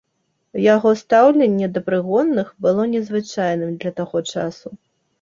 Яго стаўленне да прыгонных было незвычайным для таго часу.